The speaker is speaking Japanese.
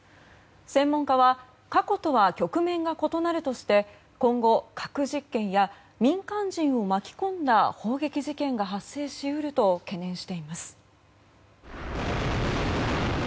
専門家は過去とは局面が異なるとして今後、核実験や民間人を巻き込んだ砲撃事件が発生し得ると懸念しています。